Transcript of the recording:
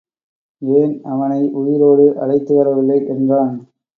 ஏன் அவனை உயிரோடு அழைத்து வரவில்லை என்றான்.